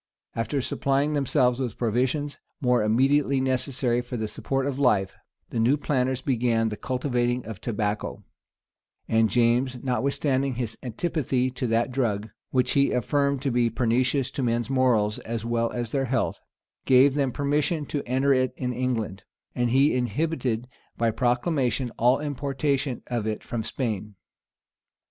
After supplying themselves with provisions more immediately necessary for the support of life, the new planters began the cultivating of tobacco; and James, notwithstanding his antipathy to that drug, which he affirmed to be pernicious to men's morals, as well as their health,[*] gave them permission to enter it in England; and he inhibited by proclamation all importation of it from Spain.